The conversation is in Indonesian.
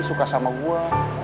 suka sama gue